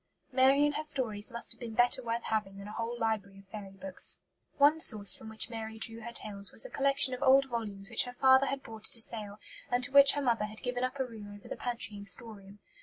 Mary and her stories must have been better worth having than a whole library of "fairy books." One source from which Mary drew her tales was a collection of old volumes which her father had bought at a sale and to which her mother had given up a room over the pantry and storeroom.